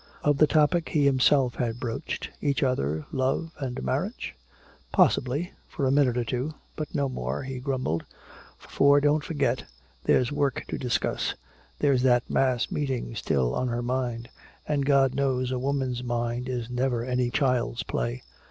Of the topic he himself had broached each other, love and marriage? "Possibly for a minute or two but no more," he grumbled. "For don't forget there's work to discuss, there's that mass meeting still on her mind. And God knows a woman's mind is never any child's play.